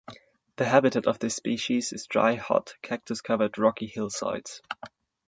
The habitat of this species is dry, hot, cactus covered rocky hillsides.